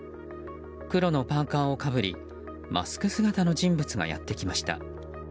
黒のパーカをかぶりマスク姿の人物がやってきました。